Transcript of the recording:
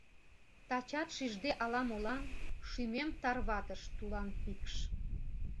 Тачат шижде ала-молан Шӱмем тарватыш тулан пикш.